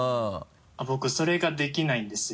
僕それができないんです。